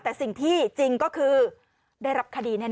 แต่สิ่งที่จริงก็คือได้รับคดีแน่